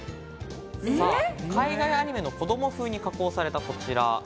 海外アニメの子供風に加工されたこちら。